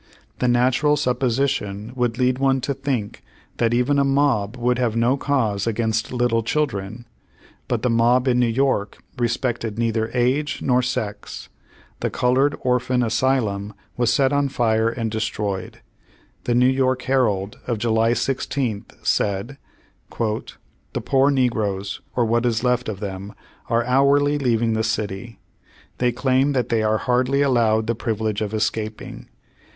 The natural sup position would lead one to think that even a mob would have no cause against little children. But the mob in New York respected neither age nor sex. The colored Orphan Asylum was set on fire and destroyed. The New Yo7'k Herald of July 16th, said: "The poor negroes, or what is left of them, are hourly leaving the city. They claim that they are hardly allowed the privilege of escaping.